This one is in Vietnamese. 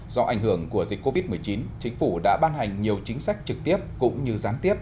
do ảnh hưởng của dịch covid một mươi chín chính phủ đã ban hành nhiều chính sách trực tiếp cũng như gián tiếp